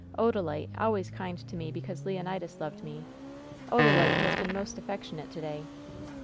Odalite — always kind to me because Leonidas loved me — Odalite has been most af fectionate to day.